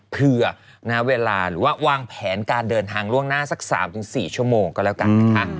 เผื่อเวลาหรือว่าวางแผนการเดินทางล่วงหน้าสัก๓๔ชั่วโมงก็แล้วกันนะคะ